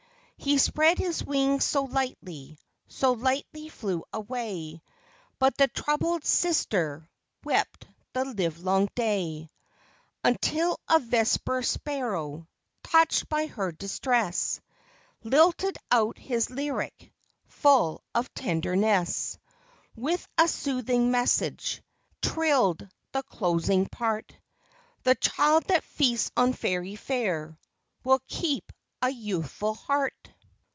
" He spread his wings so lightly, So lightly flew away ; But the troubled sister Wept the livelong day : Until a vesper sparrow, Touched by her distress, Lilted out his lyric Full of tenderness :— With a soothing message Trilled the closing part, —" The child that feasts on fairy fare Will keep a youthful heart